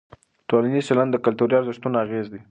ټولنیز چلند د کلتوري ارزښتونو اغېز دی.